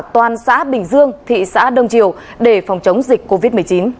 toàn xã bình dương thị xã đông triều để phòng chống dịch covid một mươi chín